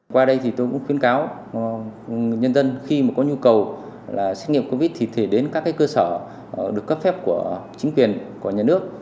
qua đây thì tôi cũng khuyến cáo người dân khi mà có nhu cầu xét nghiệm covid thì thể đến các cơ sở được cấp phép của chính quyền của nhà nước